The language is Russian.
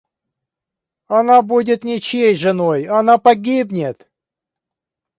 Она будет ничьей женой, она погибнет!